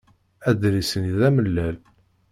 Adlis-nni d amellal.